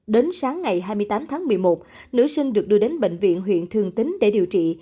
đến sáng ngày hai mươi tám tháng một mươi một nữ sinh được đưa đến bệnh viện huyện thường tín để điều trị